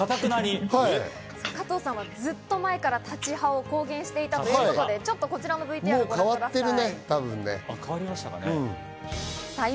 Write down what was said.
加藤さんはずっと前から立ち派を公言していたということでちょっとこちらをご覧ください。